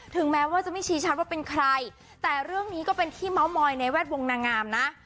แม้ว่าจะไม่ชี้ชัดว่าเป็นใครแต่เรื่องนี้ก็เป็นที่เมาส์มอยในแวดวงนางงามนะ